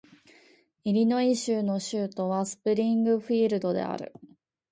イリノイ州の州都はスプリングフィールドである